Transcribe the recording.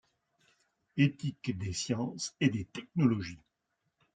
Éthique des sciences et des technologies.